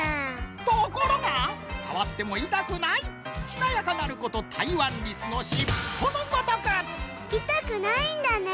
ところがさわってもいたくないしなやかなることたいわんリスのいたくないんだね。